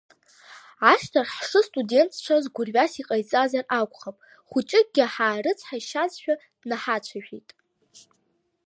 Ашьҭахь ҳшыстудентцәаз гәҩарас иҟаиҵазар акәхап, хәыҷыкгьы ҳаарыцҳаишьазшәа днаҳацәажәеит.